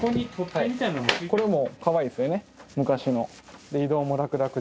これもかわいいですよね昔の。